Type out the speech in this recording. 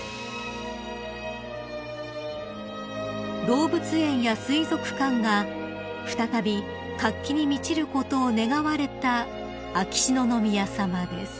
［動物園や水族館が再び活気に満ちることを願われた秋篠宮さまです］